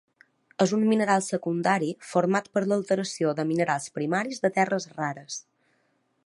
És un mineral secundari format per l'alteració de minerals primaris de terres rares.